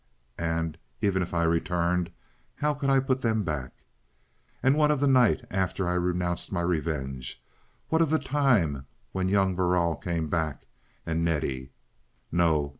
And, even if I returned, how could I put them back? And what of the night after I renounced my revenge? What of the time when young Verrall came back? And Nettie? No!